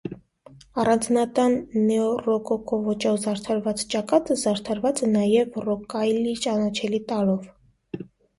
Առանձնատան նեոռոկոկո ոճով զարդարված ճակատը զարդարված է նաև ռոկայլի ճանաչելի տարրով։